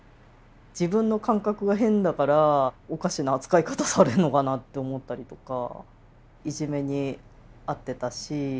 自分の感覚が変だからおかしな扱い方されるのかなって思ったりとかいじめに遭ってたし。